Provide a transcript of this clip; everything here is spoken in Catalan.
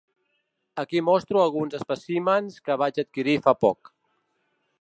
Aquí mostro alguns espècimens que vaig adquirir fa poc.